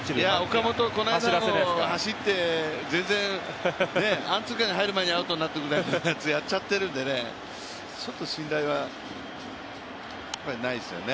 岡本、この間も走って全然、アンツーカーに入る前にアウトになるやつやっちゃっているんでね、ちょっと信頼はないですよね。